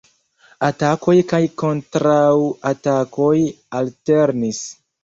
Atakoj kaj kontraŭatakoj alternis.